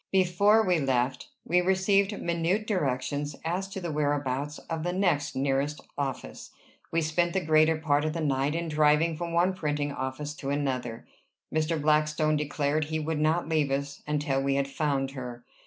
Before we left, we received minute directions as to the whereabouts of the next nearest office. We spent the greater part of the night in driving from one printing office to another. Mr. Blackstone declared he would not leave us until we had found her.